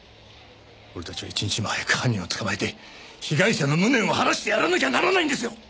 俺たちは一日も早く犯人を捕まえて被害者の無念を晴らしてやらなきゃならないんですよ！